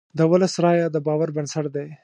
د ولس رایه د باور بنسټ دی.